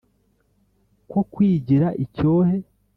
ko kwigira icyohe